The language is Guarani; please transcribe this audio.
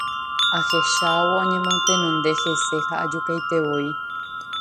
Ahechávo añemotenonde hese ha ajukaitevoi.